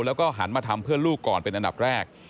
แล้วก็หันมาทำเพื่อลูกก่อนเป็นอันดับแรก